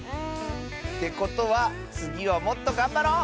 てことはつぎはもっとがんばろう！